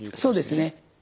そうですね。